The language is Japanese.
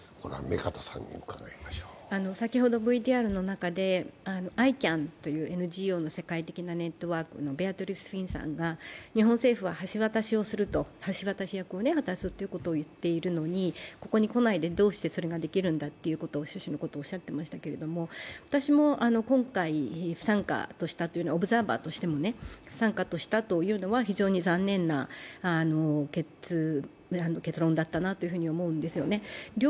先ほどＶＴＲの中で、ＩＣＡＮというＮＧＯの世界的ネットワークのベアトリスさんが日本政府は橋渡し役を果たすということを言っているのに、ここに来ないでどうしてそれができるんだという趣旨のことをおっしゃってましたが私も今回、オブザーバーとしても不参加としたのは非常に残念な結論だったなと思うんですよね。